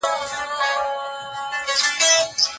موږ باید خپل اعمال د قران په تله وتلو.